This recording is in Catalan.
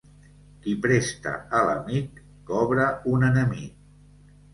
Qui presta a l'amic, cobra un enemic.